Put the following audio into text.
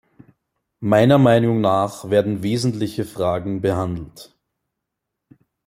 Meiner Meinung nach werden wesentliche Fragen behandelt.